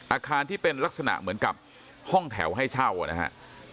อาคารที่เป็นลักษณะเหมือนกับห้องแถวให้เช่านะครับ